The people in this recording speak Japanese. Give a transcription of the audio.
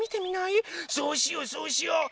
そうしようそうしよう！